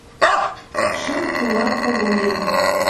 Шык кулак-холуем